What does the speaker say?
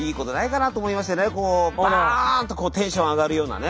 こうバーンとテンション上がるようなね。